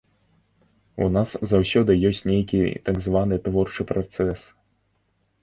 У нас заўсёды ёсць нейкі так званы творчы працэс.